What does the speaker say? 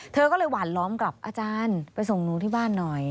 เธอก็เลยหวานล้อมกลับอาจารย์ไปส่งหนูที่บ้านหน่อย